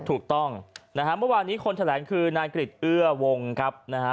ถูกต้องนะฮะเมื่อวานนี้คนแถลงคือนายกริจเอื้อวงครับนะฮะ